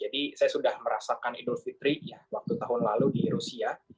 jadi saya sudah merasakan idul fitri waktu tahun lalu di rusia